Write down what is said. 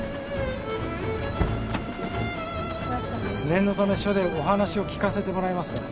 念のため署でお話を聞かせてもらえますか？